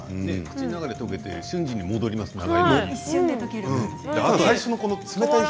口の中で溶けて瞬時に戻りますね。